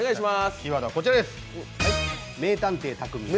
キーワードはこちらです。